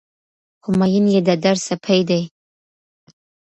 خو مين يې د در سپى دى